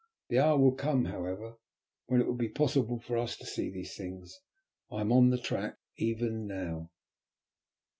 The hour will come, however, when it will be possible for us to see these things; I am on the track even now."